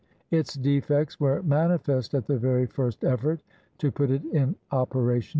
Its defects were manifest at the very first effort to put it in operation.